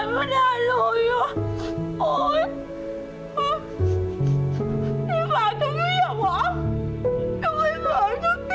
พี่ฝ่าฉันเลี่ยวเหรอทำไมฝ่าฉันเลี่ยว